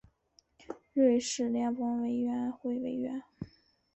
瑞士联邦委员会委员。